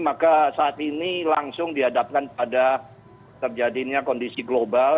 maka saat ini langsung dihadapkan pada terjadinya kondisi global